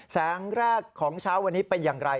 แสงแรกของเช้าวันนี้เป็นอย่างไร